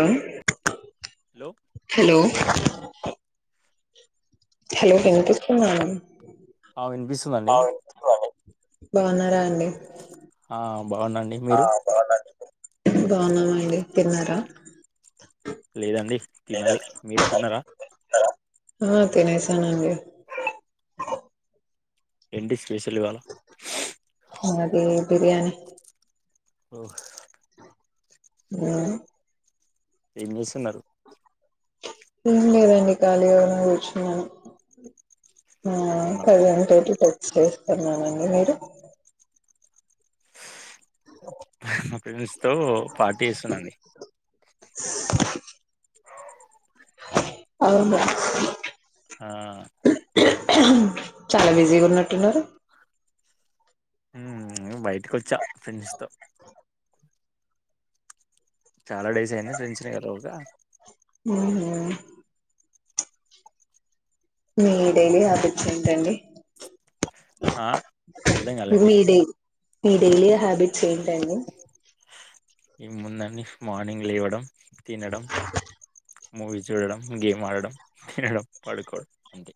ఎం hello hello లో hello వినిపిస్తుందా వినిస్తుందా అండి, ఆ వినిపిస్తుందండి బాగున్నారం డి ఆమ్ బాగున్నామండి తిన్నారా లేదండి తినాలి మీరు తిన్నరా ఆ తినేసానండి ఏంటి స్పెషల్ ఇవాళ అది బిర్యానీ ఓహ్ ఊ ఏం చేస్తున్నరు ఏం లేదండి ఖాళీగానే కూర్చున్నాను ఆ అవునా కదంటోటి ఫస్టు తిన్నానండి మీరు [unintelligible] మా ఫెండ్స్ తో పార్టీ యేస్తున్నండి అవునా ఆ చాలా బిజీగున్నట్టున్నరు ఊ ఇంగ బయటికొచ్చా ఫ్రెండ్స్ తో చాలా డేస్ అయింది ఫ్రెండ్స్ ని కలవక ఉహు మీ డైలీ ఆబిట్స్ ఏంటండి ఆ అర్థం కాలే అండి మీ డై మీ డైలీ హ్యాబిట్స్ ఏంటండి ఈ ముందండి మార్నింగ్ లేవడం తినడం మూవీ చూడడం గేమ్ ఆడడం తినడం పడుకోవడం అంతే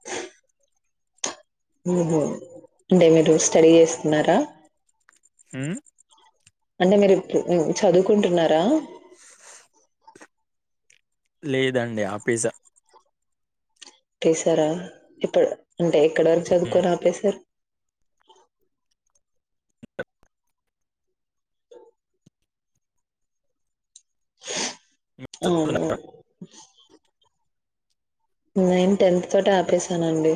ఓహో అంటే మీరు స్టడీ చేస్తున్నారా హు అంటే మీరుప్పు ఉ చదువుకుంటున్నారా [unintelligible] లేదండి ఆపెజా పెసారా ఇపు అంటే ఎక్కడ వరకు ఉమ్, చదువుకోని ఆపేశారు హ [inaudible] మీరు అ [unintelligible] అవును చదువుతున్నారా? [unintelligible] నేన్ టెన్త్ తోటె ఆపేశానండి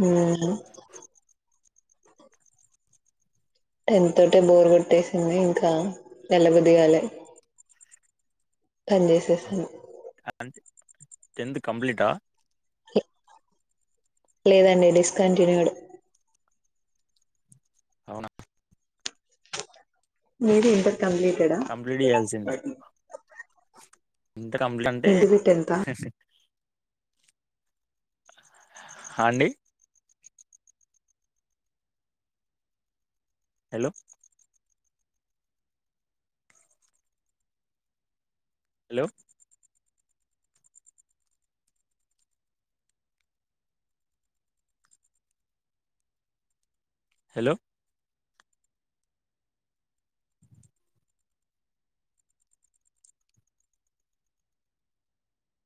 ఊ టెన్ తోటే బోర్ కొట్టేసింది ఇంకా ఎల బుదిగాలే పన్ చేసేసాను అంతే టెన్త్ కంప్లీటా లేదండి డిస్కంటిన్యూడ్ అవునా నడి ఇంట కంప్లీటెడ్ కంప్లీట్ చేయాల్సింది ఆ ఎంత కంప్లీట్ అంటే అండి హలో హలో హలో